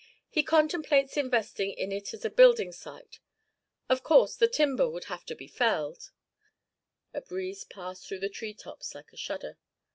'He contemplates investing in it as a building site. Of course the timber would have to be felled ' A breeze passed through the treetops like a shudder.